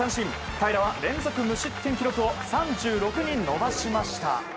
平良は連続無失点記録を３６に伸ばしました。